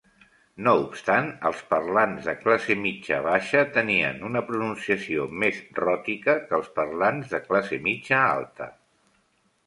No obstant, els parlants de classe mitja baixa tenien una pronunciació més ròtica que els parlants de classe mitja alta.